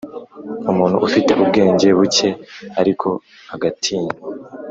Umuntu ufite ubwenge buke ariko agatinya,